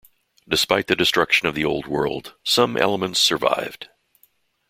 Despite the destruction of the old world, some elements survived.